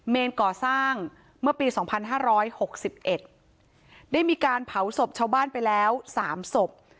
ก่อสร้างเมื่อปี๒๕๖๑ได้มีการเผาศพชาวบ้านไปแล้ว๓ศพ